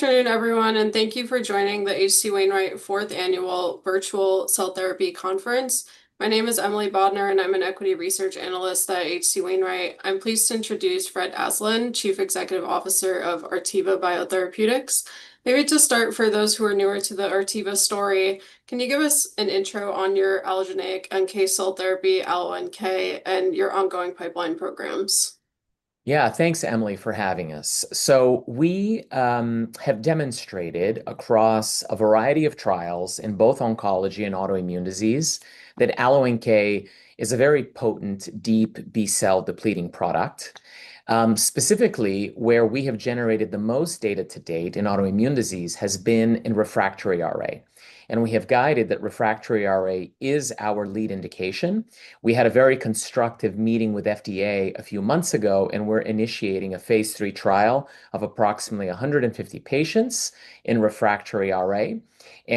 Good afternoon, everyone, thank you for joining the H.C. Wainwright Fourth Annual Virtual Cell Therapy Conference. My name is Emily Bodnar and I'm an equity research analyst at H.C. Wainwright. I'm pleased to introduce Fred Aslan, Chief Executive Officer of Artiva Biotherapeutics. Maybe to start, for those who are newer to the Artiva story, can you give us an intro on your allogeneic NK cell therapy, AlloNK, and your ongoing pipeline programs? Yeah. Thanks, Emily, for having us. We have demonstrated across a variety of trials in both oncology and autoimmune disease that AlloNK is a very potent deep B-cell depleting product. Specifically, where we have generated the most data to date in autoimmune disease has been in refractory RA, and we have guided that refractory RA is our lead indication. We had a very constructive meeting with FDA a few months ago, and we're initiating a phase III trial of approximately 150 patients in refractory RA.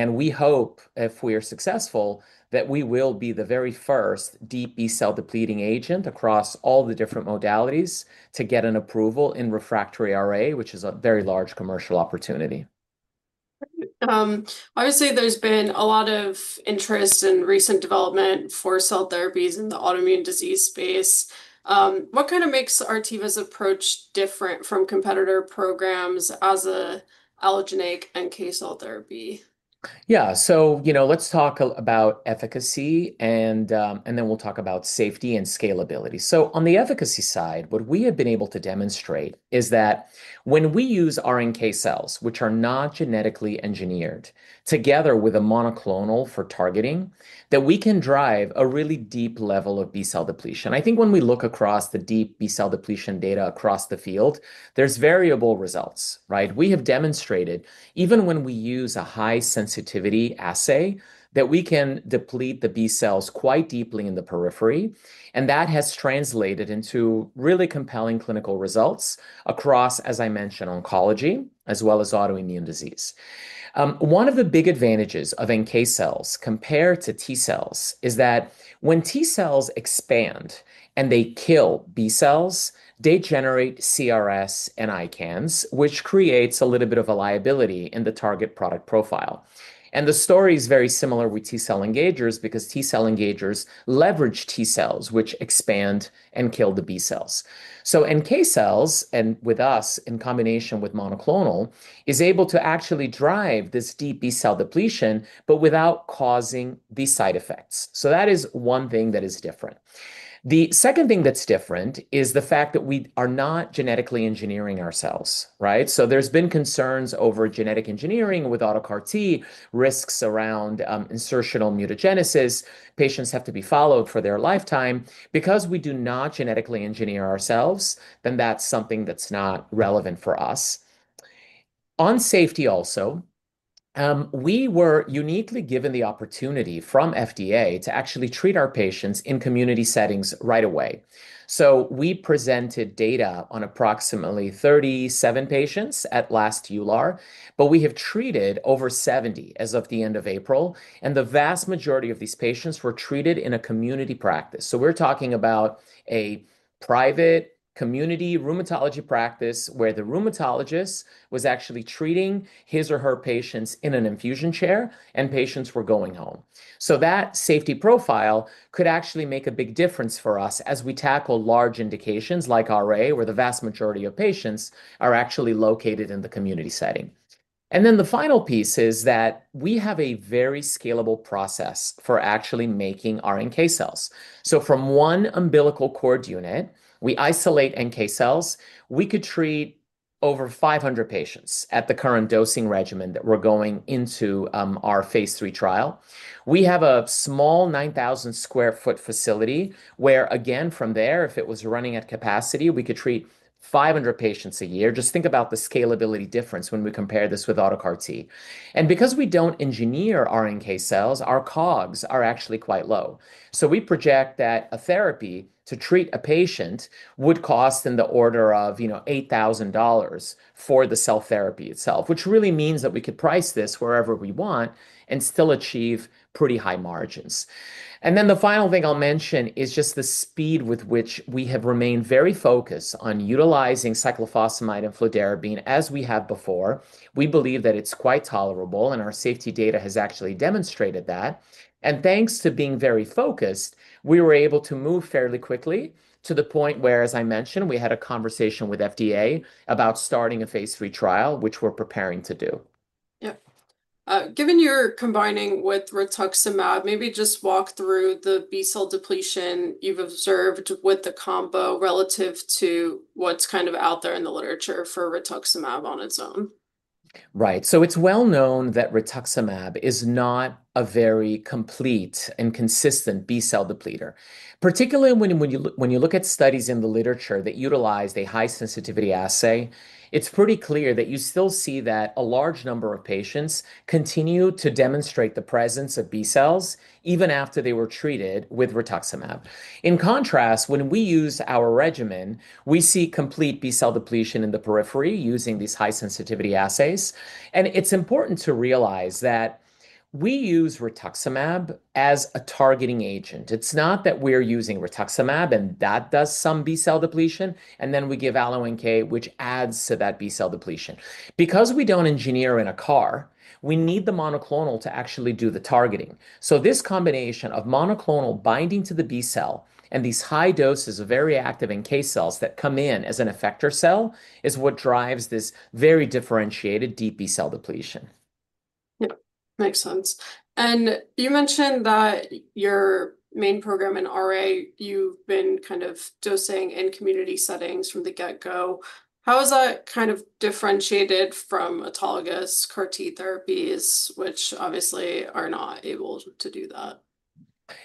We hope, if we're successful, that we will be the very first deep B-cell depleting agent across all the different modalities to get an approval in refractory RA, which is a very large commercial opportunity. Great. Obviously, there's been a lot of interest and recent development for cell therapies in the autoimmune disease space. What makes Artiva's approach different from competitor programs as an allogeneic NK cell therapy? Yeah. Let's talk about efficacy and then we'll talk about safety and scalability. On the efficacy side, what we have been able to demonstrate is that when we use our NK cells, which are not genetically engineered, together with a monoclonal for targeting, that we can drive a really deep level of B-cell depletion. I think when we look across the deep B-cell depletion data across the field, there's variable results, right? We have demonstrated, even when we use a high sensitivity assay, that we can deplete the B cells quite deeply in the periphery, and that has translated into really compelling clinical results across, as I mentioned, oncology as well as autoimmune disease. One of the big advantages of NK cells compared to T-cells is that when T-cells expand and they kill B cells, they generate CRS and ICANS, which creates a little bit of a liability in the target product profile. The story is very similar with T-cell engagers because T-cell engagers leverage T-cells which expand and kill the B cells. NK cells, and with us, in combination with monoclonal, is able to actually drive this deep B-cell depletion but without causing these side effects. That is one thing that is different. The second thing that's different is the fact that we are not genetically engineering our cells, right? There's been concerns over genetic engineering with auto CAR T, risks around insertional mutagenesis. Patients have to be followed for their lifetime. Because we do not genetically engineer our cells, then that's something that's not relevant for us. On safety also, we were uniquely given the opportunity from FDA to actually treat our patients in community settings right away. We presented data on approximately 37 patients at last EULAR, but we have treated over 70 as of the end of April, and the vast majority of these patients were treated in a community practice. We're talking about a private community rheumatology practice where the rheumatologist was actually treating his or her patients in an infusion chair and patients were going home. That safety profile could actually make a big difference for us as we tackle large indications like RA, where the vast majority of patients are actually located in the community setting. The final piece is that we have a very scalable process for actually making our NK cells. From one umbilical cord unit, we isolate NK cells. We could treat over 500 patients at the current dosing regimen that we're going into our phase III trial. We have a small 9,000 sq ft facility where, again, from there, if it was running at capacity, we could treat 500 patients a year. Just think about the scalability difference when we compare this with auto CAR T. Because we don't engineer our NK cells, our COGS are actually quite low. We project that a therapy to treat a patient would cost in the order of $8,000 for the cell therapy itself, which really means that we could price this wherever we want and still achieve pretty high margins. The final thing I'll mention is just the speed with which we have remained very focused on utilizing cyclophosphamide and fludarabine as we have before. We believe that it's quite tolerable, and our safety data has actually demonstrated that. Thanks to being very focused, we were able to move fairly quickly to the point where, as I mentioned, we had a conversation with FDA about starting a phase III trial, which we're preparing to do. Yep. Given you're combining with rituximab, maybe just walk through the B-cell depletion you've observed with the combo relative to what's out there in the literature for rituximab on its own. Right. It's well known that rituximab is not a very complete and consistent B-cell depleter. Particularly when you look at studies in the literature that utilized a high sensitivity assay, it's pretty clear that you still see that a large number of patients continue to demonstrate the presence of B cells even after they were treated with rituximab. In contrast, when we use our regimen, we see complete B-cell depletion in the periphery using these high sensitivity assays. It's important to realize that we use rituximab as a targeting agent. It's not that we're using rituximab and that does some B-cell depletion, and then we give AlloNK, which adds to that B-cell depletion. Because we don't engineer in a CAR, we need the monoclonal to actually do the targeting. This combination of monoclonal binding to the B-cell and these high doses of very active NK cells that come in as an effector cell is what drives this very differentiated deep B-cell depletion. Yep. Makes sense. You mentioned that your main program in RA, you've been kind of dosing in community settings from the get-go. How is that kind of differentiated from autologous CAR T therapies, which obviously are not able to do that?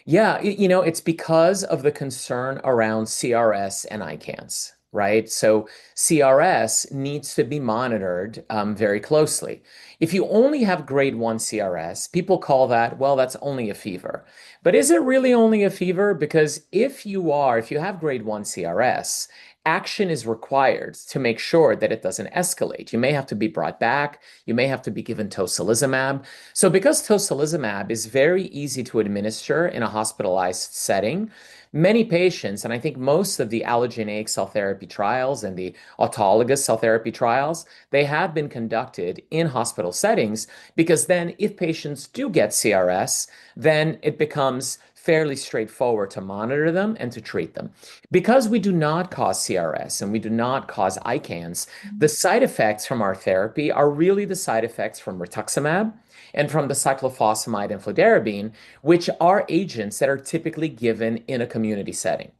It's because of the concern around CRS and ICANS, right? CRS needs to be monitored very closely. If you only have grade 1 CRS, people call that, "Well, that's only a fever." Is it really only a fever? Because if you have grade 1 CRS, action is required to make sure that it doesn't escalate. You may have to be brought back. You may have to be given tocilizumab. Because tocilizumab is very easy to administer in a hospitalized setting, many patients, and I think most of the allogeneic cell therapy trials and the autologous cell therapy trials, they have been conducted in hospital settings because then if patients do get CRS, then it becomes fairly straightforward to monitor them and to treat them. Because we do not cause CRS and we do not cause ICANS, the side effects from our therapy are really the side effects from rituximab and from the cyclophosphamide and fludarabine, which are agents that are typically given in a community setting.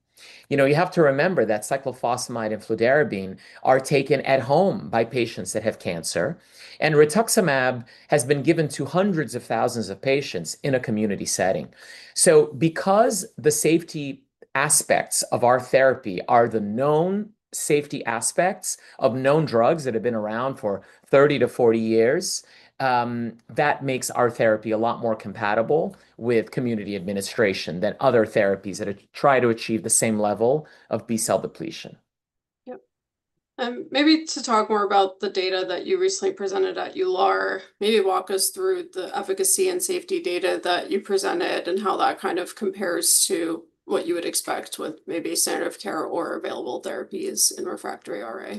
You have to remember that cyclophosphamide and fludarabine are taken at home by patients that have cancer, and rituximab has been given to hundreds of thousands of patients in a community setting. Because the safety aspects of our therapy are the known safety aspects of known drugs that have been around for 30-40 years, that makes our therapy a lot more compatible with community administration than other therapies that try to achieve the same level of B-cell depletion. Maybe to talk more about the data that you recently presented at EULAR, maybe walk us through the efficacy and safety data that you presented and how that kind of compares to what you would expect with maybe standard of care or available therapies in refractory RA.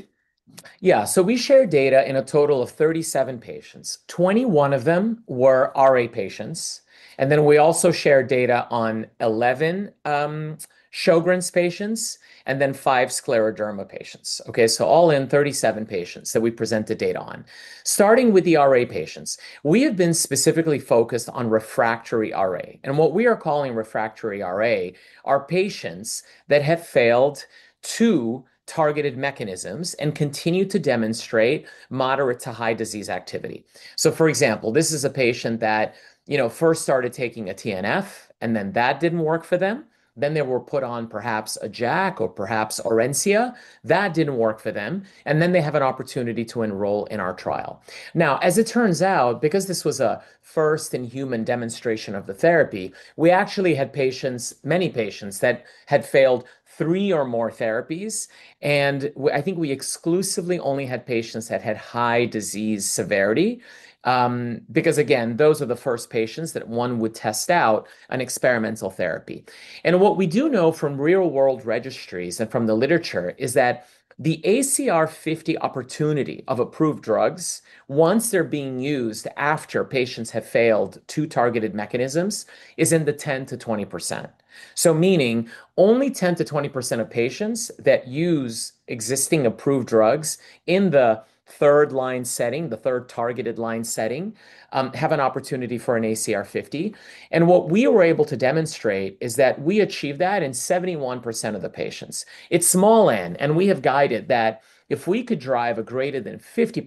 We shared data in a total of 37 patients. 21 of them were RA patients, and then we also shared data on 11 Sjögren's patients and then five scleroderma patients. All in, 37 patients that we presented data on. Starting with the RA patients, we have been specifically focused on refractory RA, and what we are calling refractory RA are patients that have failed two targeted mechanisms and continue to demonstrate moderate to high disease activity. For example, this is a patient that first started taking a TNF, then that didn't work for them. Then they were put on perhaps a JAK or perhaps Orencia. That didn't work for them. Then they have an opportunity to enroll in our trial. As it turns out, because this was a first-in-human demonstration of the therapy, we actually had many patients that had failed three or more therapies, and I think we exclusively only had patients that had high disease severity. Those are the first patients that one would test out an experimental therapy. What we do know from real-world registries and from the literature is that the ACR50 opportunity of approved drugs, once they're being used after patients have failed two targeted mechanisms, is in the 10%-20%. Meaning only 10%-20% of patients that use existing approved drugs in the 3rd line setting, the 3rd targeted line setting, have an opportunity for an ACR50. What we were able to demonstrate is that we achieved that in 71% of the patients. It's small N, we have guided that if we could drive a greater than 50%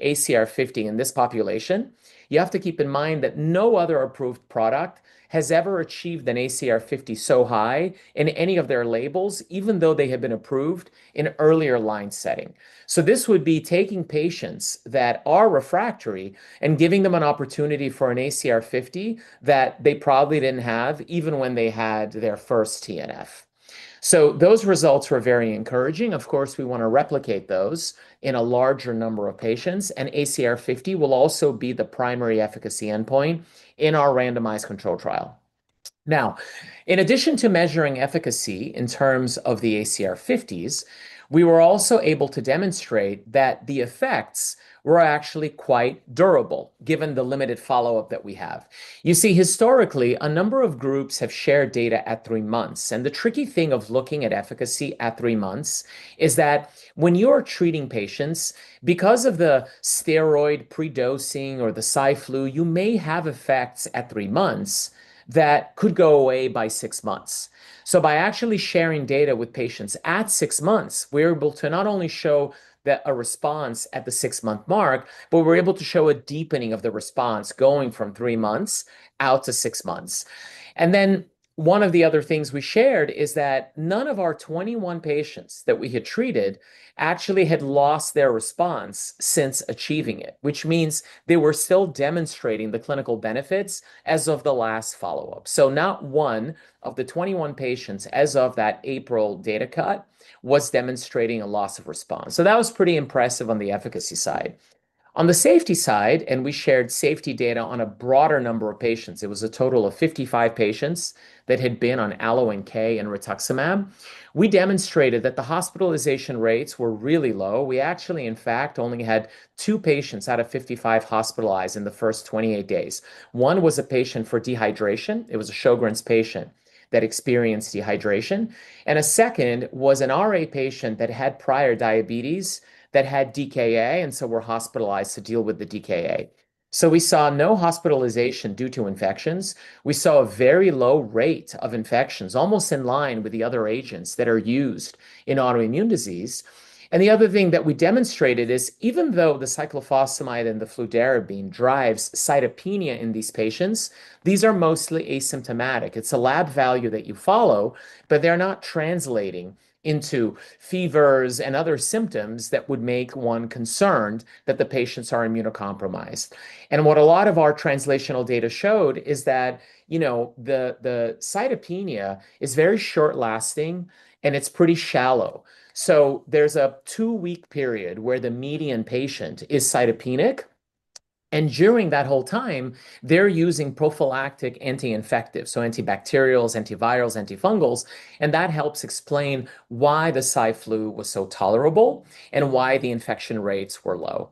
ACR50 in this population, you have to keep in mind that no other approved product has ever achieved an ACR50 so high in any of their labels, even though they have been approved in earlier line setting. This would be taking patients that are refractory and giving them an opportunity for an ACR50 that they probably didn't have even when they had their 1st TNF. Those results were very encouraging. Of course, we want to replicate those in a larger number of patients, ACR50 will also be the primary efficacy endpoint in our randomized control trial. In addition to measuring efficacy in terms of the ACR50s, we were also able to demonstrate that the effects were actually quite durable given the limited follow-up that we have. Historically, a number of groups have shared data at three months, and the tricky thing of looking at efficacy at three months is that when you're treating patients, because of the steroid predosing or the Cy/Flu, you may have effects at three months that could go away by six months. By actually sharing data with patients at six months, we're able to not only show that a response at the six-month mark, but we're able to show a deepening of the response going from three months out to six months. One of the other things we shared is that none of our 21 patients that we had treated actually had lost their response since achieving it, which means they were still demonstrating the clinical benefits as of the last follow-up. Not 1 of the 21 patients as of that April data cut was demonstrating a loss of response. That was pretty impressive on the efficacy side. On the safety side, we shared safety data on a broader number of patients, it was a total of 55 patients that had been on AlloNK and rituximab. We demonstrated that the hospitalization rates were really low. We actually, in fact, only had two patients out of 55 hospitalized in the 1st 28 days. One was a patient for dehydration. It was a Sjögren's patient that experienced dehydration, and a 2nd was an RA patient that had prior diabetes that had DKA, were hospitalized to deal with the DKA. We saw no hospitalization due to infections. We saw a very low rate of infections, almost in line with the other agents that are used in autoimmune disease. The other thing that we demonstrated is even though the cyclophosphamide and the fludarabine drives cytopenia in these patients, these are mostly asymptomatic. It's a lab value that you follow, but they're not translating into fevers and other symptoms that would make one concerned that the patients are immunocompromised. What a lot of our translational data showed is that the cytopenia is very short-lasting and it's pretty shallow. There's a two-week period where the median patient is cytopenic, and during that whole time, they're using prophylactic anti-infectives, so antibacterials, antivirals, antifungals. That helps explain why the Cy/Flu was so tolerable and why the infection rates were low.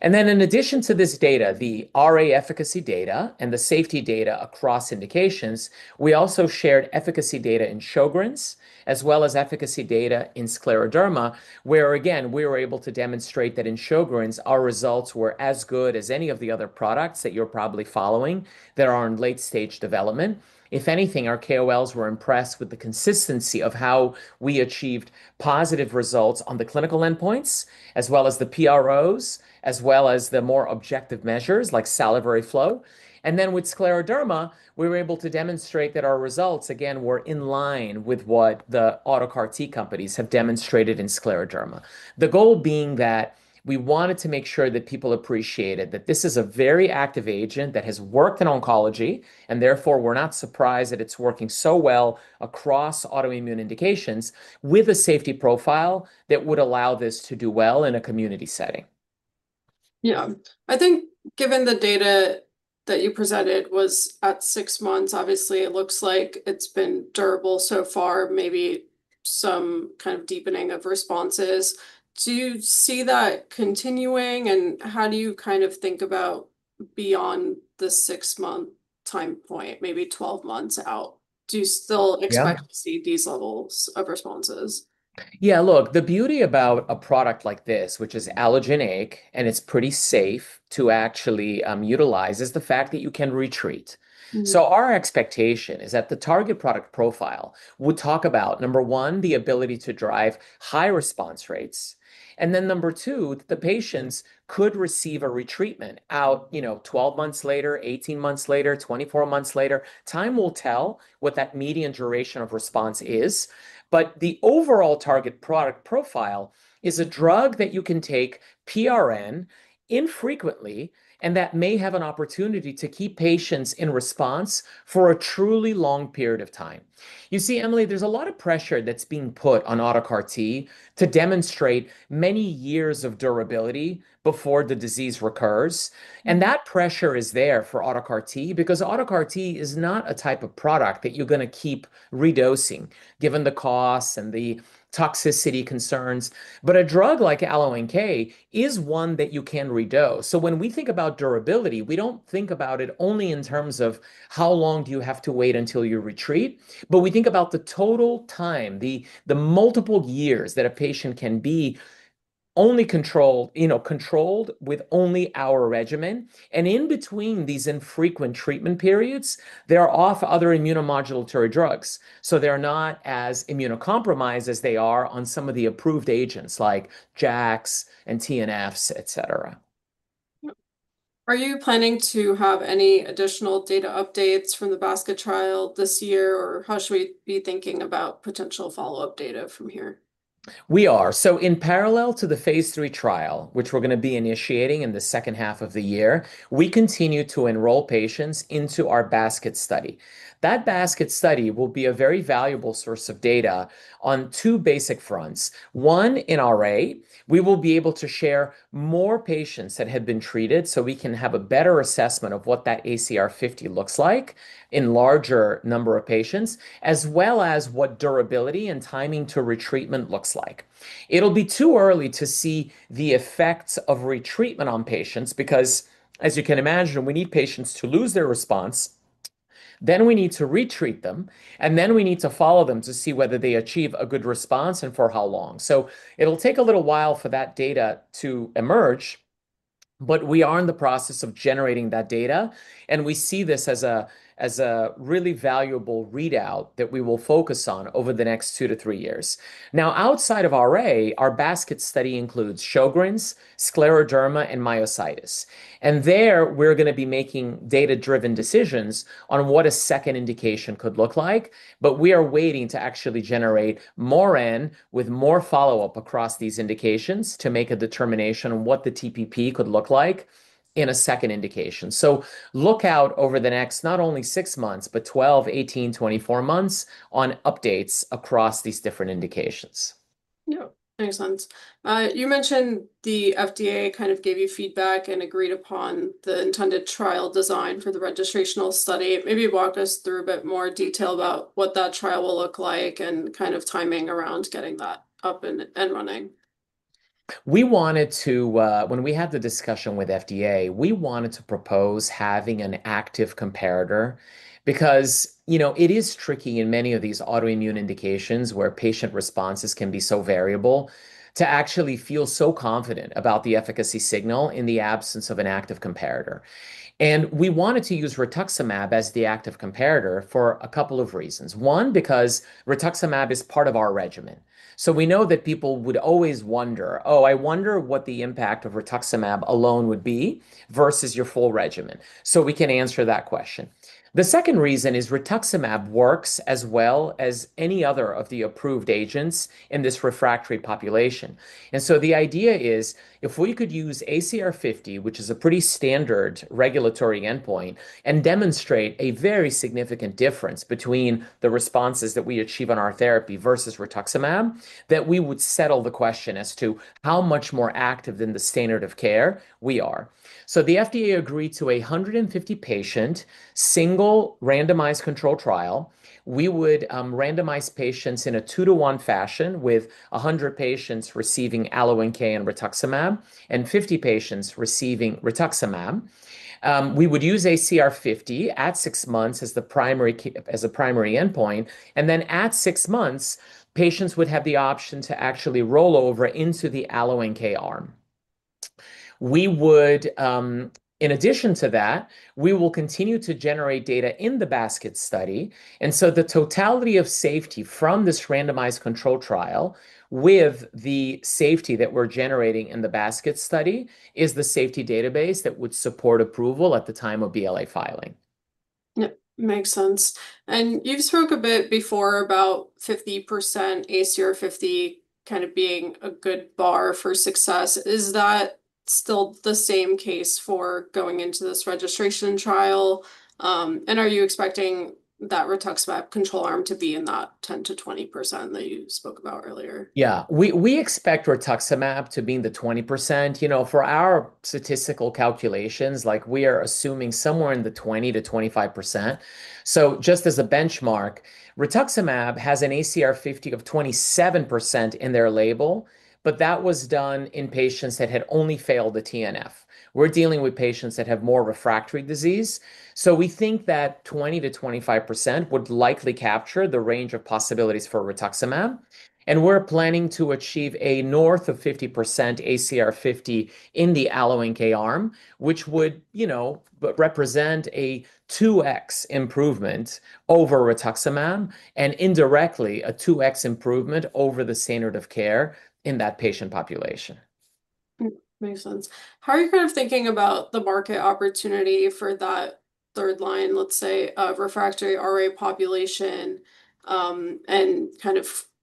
In addition to this data, the RA efficacy data, and the safety data across indications, we also shared efficacy data in Sjögren's, as well as efficacy data in scleroderma, where again, we were able to demonstrate that in Sjögren's, our results were as good as any of the other products that you're probably following that are in late-stage development. If anything, our KOLs were impressed with the consistency of how we achieved positive results on the clinical endpoints as well as the PROs, as well as the more objective measures like salivary flow. With scleroderma, we were able to demonstrate that our results again were in line with what the auto CAR T companies have demonstrated in scleroderma. The goal being that we wanted to make sure that people appreciated that this is a very active agent that has worked in oncology, and therefore we're not surprised that it's working so well across autoimmune indications with a safety profile that would allow this to do well in a community setting. Yeah. I think given the data that you presented was at six months, obviously it looks like it's been durable so far, maybe some kind of deepening of responses. Do you see that continuing and how do you think about beyond the six-month time point, maybe 12 months out? Do you still expect? Yeah to see these levels of responses? Yeah, look, the beauty about a product like this, which is allogeneic and it's pretty safe to actually utilize, is the fact that you can re-treat. Our expectation is that the target product profile would talk about, number one, the ability to drive high response rates, and then number two, that the patients could receive a re-treatment out 12 months later, 18 months later, 24 months later. Time will tell what that median duration of response is. The overall target product profile is a drug that you can take PRN infrequently and that may have an opportunity to keep patients in response for a truly long period of time. You see, Emily, there's a lot of pressure that's being put on auto CAR T to demonstrate many years of durability before the disease recurs. That pressure is there for auto CAR T because auto CAR T is not a type of product that you're going to keep redosing, given the costs and the toxicity concerns. A drug like AlloNK is one that you can redose. When we think about durability, we don't think about it only in terms of how long do you have to wait until you re-treat, we think about the total time, the multiple years that a patient can be controlled with only our regimen. In between these infrequent treatment periods, they are off other immunomodulatory drugs. They're not as immunocompromised as they are on some of the approved agents like JAKs and TNFs, et cetera. Yep. Are you planning to have any additional data updates from the basket trial this year? Or how should we be thinking about potential follow-up data from here? We are. In parallel to the phase III trial, which we're going to be initiating in the second half of the year, we continue to enroll patients into our basket study. That basket study will be a very valuable source of data on two basic fronts. One, in RA, we will be able to share more patients that have been treated so we can have a better assessment of what that ACR50 looks like in larger number of patients, as well as what durability and timing to re-treatment looks like. It'll be too early to see the effects of re-treatment on patients because, as you can imagine, we need patients to lose their response, then we need to re-treat them, and then we need to follow them to see whether they achieve a good response and for how long. It'll take a little while for that data to emerge, but we are in the process of generating that data, and we see this as a really valuable readout that we will focus on over the next two to three years. Outside of RA, our basket study includes Sjögren's, scleroderma, and myositis. There we're going to be making data-driven decisions on what a second indication could look like. We are waiting to actually generate more in with more follow-up across these indications to make a determination on what the TPP could look like in a second indication. Look out over the next, not only six months, but 12, 18, 24 months, on updates across these different indications. Yeah. Makes sense. You mentioned the FDA gave you feedback and agreed upon the intended trial design for the registrational study. Maybe walk us through a bit more detail about what that trial will look like and timing around getting that up and running. When we had the discussion with FDA, we wanted to propose having an active comparator because it is tricky in many of these autoimmune indications, where patient responses can be so variable, to actually feel so confident about the efficacy signal in the absence of an active comparator. We wanted to use rituximab as the active comparator for a couple of reasons. One, because rituximab is part of our regimen, we know that people would always wonder, "Oh, I wonder what the impact of rituximab alone would be versus your full regimen." We can answer that question. The second reason is rituximab works as well as any other of the approved agents in this refractory population. The idea is, if we could use ACR50, which is a pretty standard regulatory endpoint, and demonstrate a very significant difference between the responses that we achieve on our therapy versus rituximab, that we would settle the question as to how much more active than the standard of care we are. The FDA agreed to 150 patient, single randomized control trial. We would randomize patients in a two-to-one fashion with 100 patients receiving AlloNK and rituximab, and 50 patients receiving rituximab. We would use ACR50 at six months as the primary endpoint, and then at six months, patients would have the option to actually roll over into the AlloNK arm. In addition to that, we will continue to generate data in the basket study. The totality of safety from this randomized control trial with the safety that we're generating in the basket study is the safety database that would support approval at the time of BLA filing. Yeah. Makes sense. You spoke a bit before about 50% ACR50 being a good bar for success. Is that still the same case for going into this registration trial? Are you expecting that rituximab control arm to be in that 10%-20% that you spoke about earlier? Yeah. We expect rituximab to be in the 20%. For our statistical calculations, we are assuming somewhere in the 20%-25%. Just as a benchmark, rituximab has an ACR50 of 27% in their label, but that was done in patients that had only failed the TNF. We're dealing with patients that have more refractory disease. We think that 20%-25% would likely capture the range of possibilities for rituximab, and we're planning to achieve a north of 50% ACR50 in the AlloNK arm. Which would represent a 2X improvement over rituximab, and indirectly a 2X improvement over the standard of care in that patient population. Makes sense. How are you thinking about the market opportunity for that third line, let's say, of refractory RA population?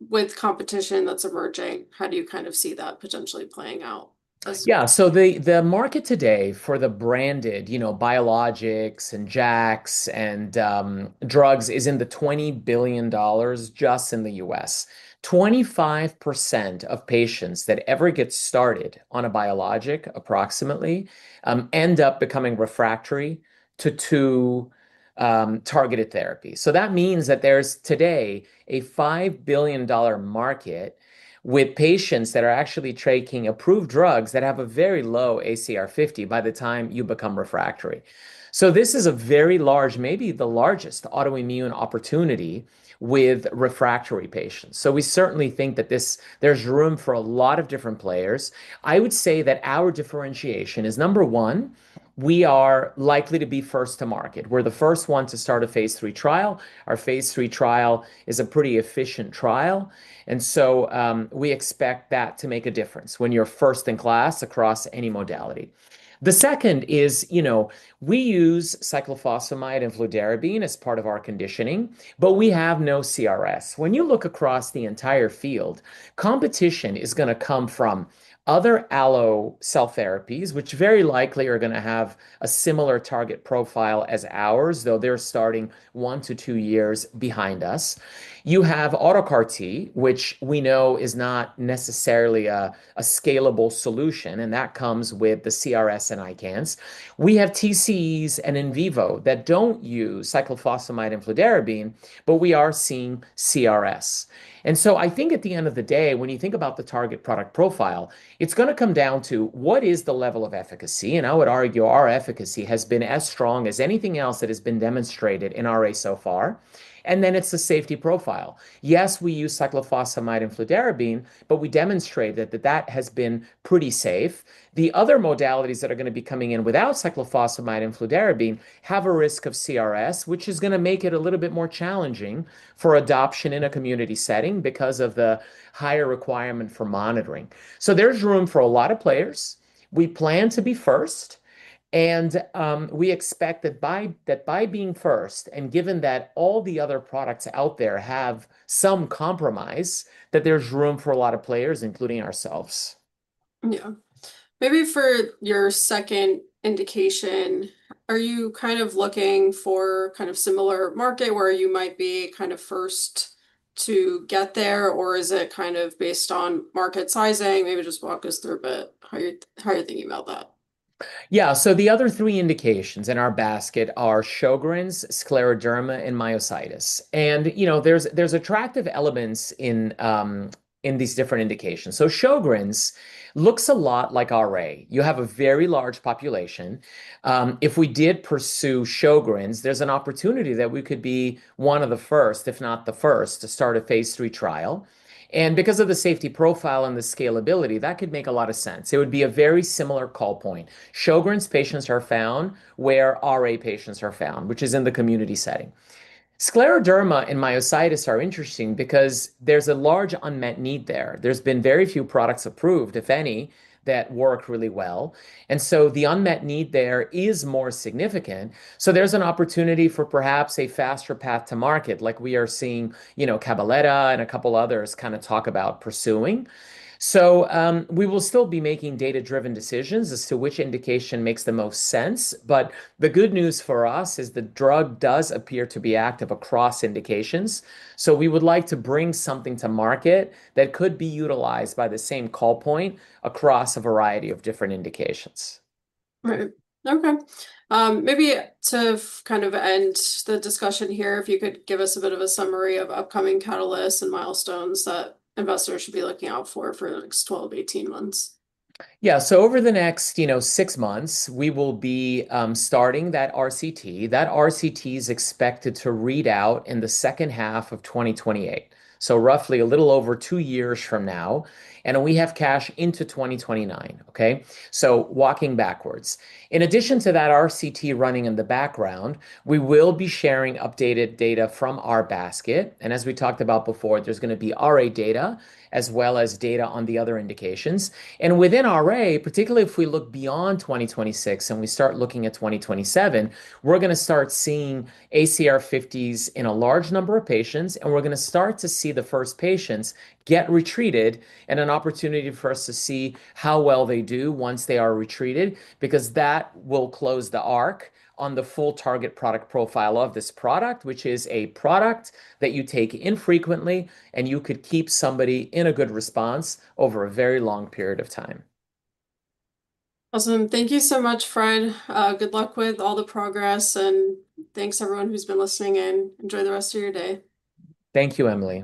With competition that's emerging, how do you see that potentially playing out as- Yeah. The market today for the branded, biologics and JAKs and drugs is in the $20 billion just in the U.S. 25% of patients that ever get started on a biologic, approximately, end up becoming refractory to targeted therapy. That means that there's today a $5 billion market with patients that are actually taking approved drugs that have a very low ACR50 by the time you become refractory. This is a very large, maybe the largest autoimmune opportunity with refractory patients. We certainly think that there's room for a lot of different players. I would say that our differentiation is, number one, we are likely to be first to market. We're the first ones to start a phase III trial. Our phase III trial is a pretty efficient trial. We expect that to make a difference when you're first in class across any modality. The second is, we use cyclophosphamide and fludarabine as part of our conditioning, but we have no CRS. When you look across the entire field, competition is going to come from other allo cell therapies, which very likely are going to have a similar target profile as ours, though they're starting one to two years behind us. You have auto CAR T, which we know is not necessarily a scalable solution, and that comes with the CRS and ICANS. We have TCEs and in vivo that don't use cyclophosphamide and fludarabine, but we are seeing CRS. I think at the end of the day, when you think about the target product profile, it's going to come down to what is the level of efficacy? I would argue our efficacy has been as strong as anything else that has been demonstrated in RA so far. Then it's the safety profile. Yes, we use cyclophosphamide and fludarabine, but we demonstrate that that has been pretty safe. The other modalities that are going to be coming in without cyclophosphamide and fludarabine have a risk of CRS, which is going to make it a little bit more challenging for adoption in a community setting because of the higher requirement for monitoring. There's room for a lot of players. We plan to be first, and we expect that by being first, and given that all the other products out there have some compromise, that there's room for a lot of players, including ourselves. Maybe for your second indication, are you looking for similar market where you might be first to get there, or is it based on market sizing? Maybe just walk us through a bit how you're thinking about that. The other three indications in our basket are Sjögren's, scleroderma, and myositis. There's attractive elements in these different indications. Sjögren's looks a lot like RA. You have a very large population. If we did pursue Sjögren's, there's an opportunity that we could be one of the first, if not the first, to start a phase III trial. Because of the safety profile and the scalability, that could make a lot of sense. It would be a very similar call point. Sjögren's patients are found where RA patients are found, which is in the community setting. Scleroderma and myositis are interesting because there's a large unmet need there. There's been very few products approved, if any, that work really well, and so the unmet need there is more significant. There's an opportunity for perhaps a faster path to market, like we are seeing Cabaletta and a couple others talk about pursuing. We will still be making data-driven decisions as to which indication makes the most sense. The good news for us is the drug does appear to be active across indications, so we would like to bring something to market that could be utilized by the same call point across a variety of different indications. Right. Okay. Maybe to end the discussion here, if you could give us a bit of a summary of upcoming catalysts and milestones that investors should be looking out for for the next 12-18 months. Yeah. Over the next six months, we will be starting that RCT. That RCT is expected to read out in the second half of 2028, so roughly a little over two years from now. We have cash into 2029. Okay? Walking backwards. In addition to that RCT running in the background, we will be sharing updated data from our basket, and as we talked about before, there's going to be RA data as well as data on the other indications. Within RA, particularly if we look beyond 2026 and we start looking at 2027, we're going to start seeing ACR50s in a large number of patients, and we're going to start to see the first patients get retreated and an opportunity for us to see how well they do once they are retreated. Because that will close the arc on the full target product profile of this product, which is a product that you take infrequently, and you could keep somebody in a good response over a very long period of time. Awesome. Thank you so much, Fred. Good luck with all the progress, and thanks everyone who's been listening in. Enjoy the rest of your day. Thank you, Emily.